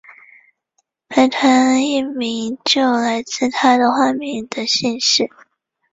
白团一名就来自他化名的姓氏。